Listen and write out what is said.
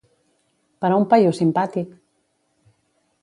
Però un paio simpàtic!